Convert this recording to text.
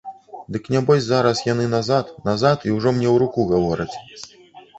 Дык нябось зараз яны назад, назад і ўжо мне ў руку гавораць.